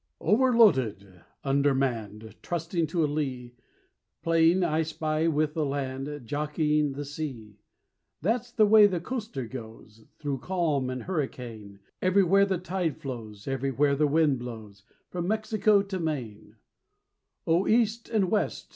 _Overloaded, undermanned, Trusting to a lee; Playing I spy with the land, Jockeying the sea That's the way the Coaster goes, Thro' calm and hurricane: Everywhere the tide flows, Everywhere the wind blows, From Mexico to Maine._ O East and West!